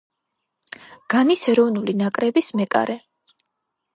განის ეროვნული ნაკრების მეკარე.